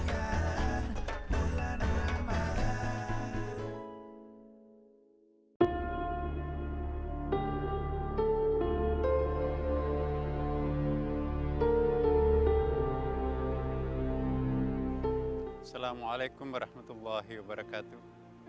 assalamualaikum warahmatullahi wabarakatuh